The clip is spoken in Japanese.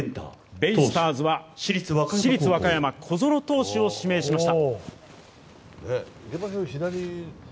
ベイスターズは市立和歌山、小園投手を指名しました。